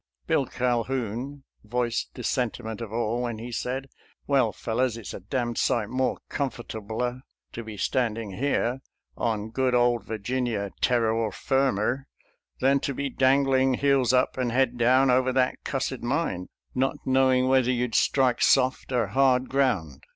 Bill Calhoun voiced the sentiment of all when he said, " Well, fellers, it's a d d sight more comfortabler to be standing here on good old Virginia terror firmer than to be dangling, heels up and head down, over that cussed mine, not knowing whether you'd strike soft or hard ground."